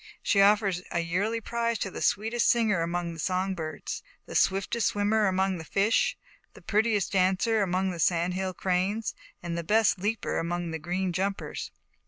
She offers a yearly prize to the sweetest singer among the song birds; the swiftest swimmer among the fish; the prettiest ;cer among the Sand Hill Cranes, and best leaper among the Green umpers."